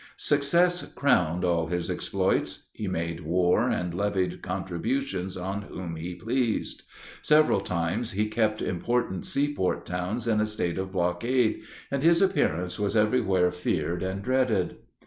Success crowned all his exploits; he made war, and levied contributions on whom he pleased. Several times he kept important sea port towns in a state of blockade, and his appearance was every where feared and dreaded.